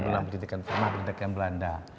pernah pendidikan belanda